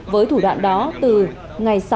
với thủ đoạn đó từ ngày sáu